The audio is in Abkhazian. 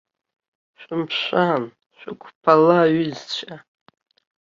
Шәымшәан, шәықәԥала, аҩызцәа!